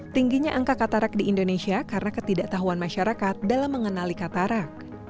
tingginya angka katarak di indonesia karena ketidaktahuan masyarakat dalam mengenali katarak